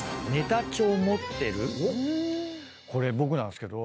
これ僕なんすけど。